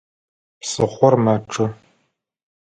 Псыхъор мачъэ.